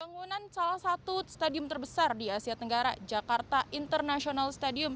bangunan salah satu stadium terbesar di asia tenggara jakarta international stadium